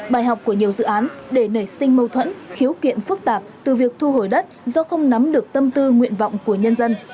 bài học của nhiều dự án để nảy sinh mâu thuẫn khiếu kiện phức tạp từ việc thu hồi đất do không nắm được tâm tư nguyện vọng của nhân dân